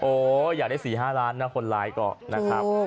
อยากได้๔๕ล้านนะคนร้ายก็นะครับ